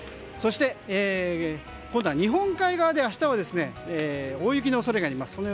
そして、今度は日本海側で明日は大雪の恐れがあります。